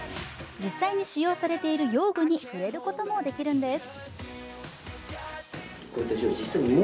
実際に使用されている用具に触れることもできるんです。